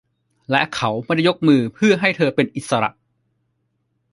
และเขาไม่ได้ยกมือเพื่อให้เธอเป็นอิสระ